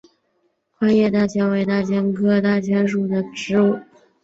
宽叶大戟为大戟科大戟属的植物。